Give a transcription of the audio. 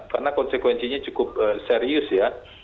karena konsekuensinya cukup serius ya